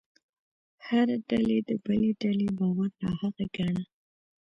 هره ډلې د بلې ډلې باور ناحقه ګاڼه.